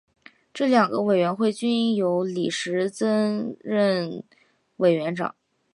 这两个委员会均由李石曾任委员长。